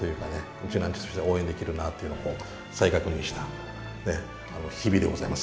うちなんちゅとしては応援できるなっていうのを再確認した日々でございます